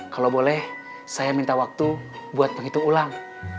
kalau boleh saya minta waktu buat penghitung ulang